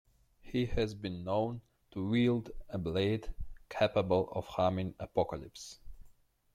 He has been known to wield a blade capable of harming Apocalypse.